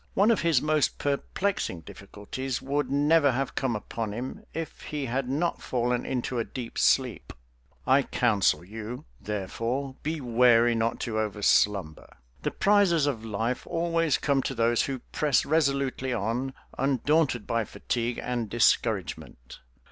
One of his most perplexing difficulties would never have come upon him if he had not fallen into a deep sleep. I counsel you, therefore, be wary not to overslumber. The prizes of life always come to those who press resolutely on, undaunted by fatigue and discouragement.